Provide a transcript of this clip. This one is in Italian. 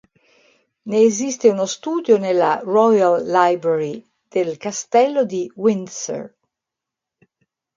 Ne esiste uno studio nella Royal Library del Castello di Windsor.